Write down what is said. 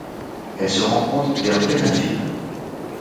Elle se rencontre vers Penafiel.